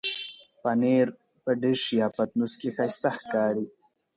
پنېر په ډش یا پتنوس کې ښايسته ښکاري.